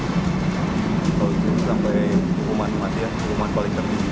kalau itu sampai umat mati ya umat paling tertinggi